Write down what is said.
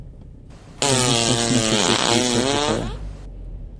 Demîrtaş ne kesekî serbixwe ye.